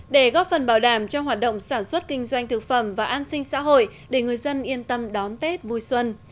để góp phần bảo đảm cho hoạt động sản xuất kinh doanh thực phẩm và an sinh xã hội để người dân yên tâm đón tết vui xuân